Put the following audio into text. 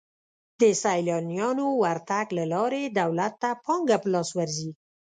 د سیلانیانو ورتګ له لارې دولت ته پانګه په لاس ورځي.